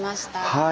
はい。